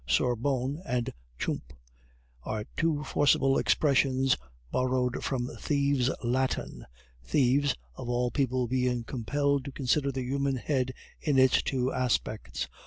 Sorbonne and chump are two forcible expressions borrowed from thieves' Latin, thieves, of all people, being compelled to consider the human head in its two aspects.